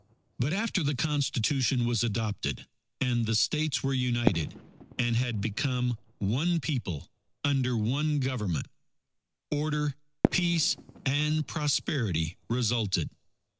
But after the Constitution was adopted, and the States were united and had became One People under One Government, order, peace, and prosperity resulted.